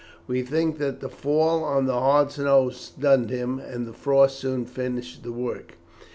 We think that the fall on the hard snow stunned him, and the frost soon finished the work.